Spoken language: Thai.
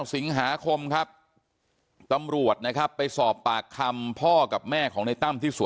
น้องจ้อยนั่งก้มหน้าไม่มีใครรู้ข่าวว่าน้องจ้อยเสียชีวิตไปแล้ว